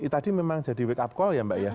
tadi memang jadi wake up call ya mbak ya